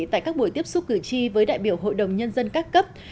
tại các buổi tiếp xúc cử tri với đại biểu hội đồng nhân dân các cấp